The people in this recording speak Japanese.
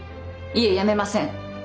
いえやめません！